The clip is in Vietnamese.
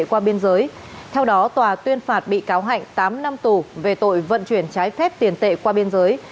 qua biên giới theo đó tòa tuyên phạt bị cáo hạnh tám năm tù về tội vận chuyển trái phép tiền tệ qua biên giới